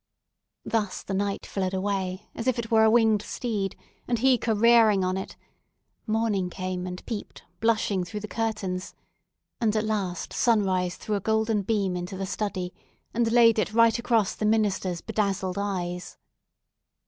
Thus the night fled away, as if it were a winged steed, and he careering on it; morning came, and peeped, blushing, through the curtains; and at last sunrise threw a golden beam into the study, and laid it right across the minister's bedazzled eyes.